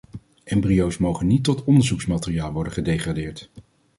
Embryo's mogen niet tot onderzoeksmateriaal worden gedegradeerd!